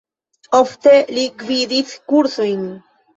Ofte li gvidis kursojn.